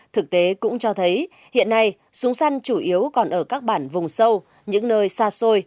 thực tế cũng cho thấy hiện nay súng săn chủ yếu còn ở các bản vùng sâu những nơi xa xôi